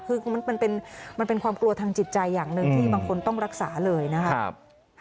คือมันเป็นความกลัวทางจิตใจอย่างหนึ่งที่บางคนต้องรักษาเลยนะครับ